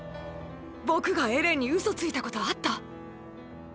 僕がエレンにウソついたことあった？